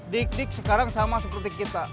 dik dik sekarang sama seperti kita